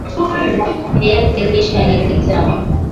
Viazi lishe ni vitamu